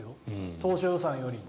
当初予算よりも。